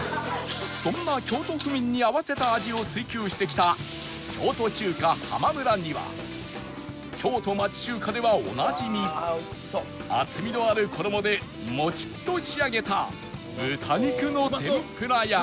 そんな京都府民に合わせた味を追求してきた京都中華ハマムラには京都町中華ではおなじみ厚みのある衣でモチッと仕上げた豚肉の天ぷらや